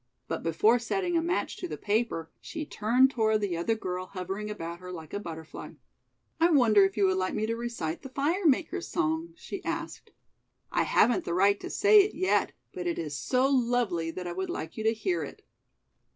But before setting a match to the paper she turned toward the other girl hovering about her like a butterfly. "I wonder if you would like me to recite the fire maker's song?" she asked. "I haven't the right to say it yet, but it is so lovely that I would like you to hear it."